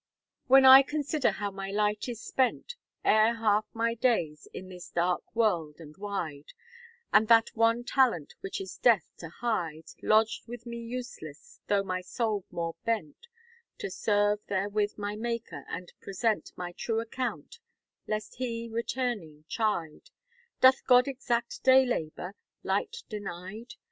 "When I consider how my light is spent Ere half my days, in this dark world and wide, And that one talent which is death to hide, Lodg'd with me useless, though my soul more bent, To serve therewith my Maker, and present My true account, lest he, returning, chide; 'Doth God exact day labour, light denied?'